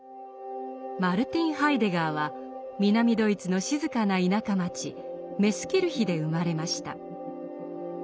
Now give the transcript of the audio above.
マルティン・ハイデガーは南ドイツの静かな田舎町メスキルヒで生まれました。